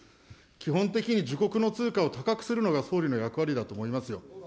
基本的に自国の通貨を高くするのが、総理の役割だと思いますよ。